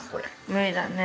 無理だね。